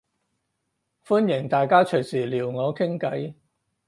歡迎大家隨時撩我傾計